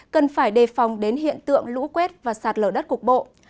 cần phải đề phòng đến hiện tượng lũ quét và sạt lở đất cục bộ